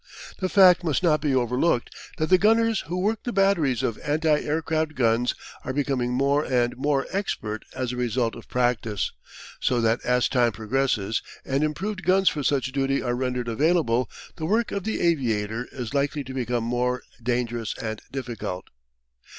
The fact must not be overlooked that the gunners who work the batteries of anti aircraft guns are becoming more and more expert as a result of practice, so that as time progresses and improved guns for such duty are rendered available, the work of the aviator is likely to become more dangerous and difficult.